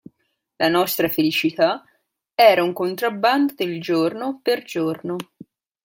La nostra felicità era un contrabbando del giorno per giorno.